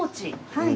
はい。